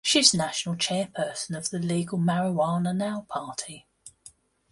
She is national chairperson of the Legal Marijuana Now Party.